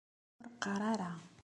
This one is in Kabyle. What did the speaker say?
Ur qqar ara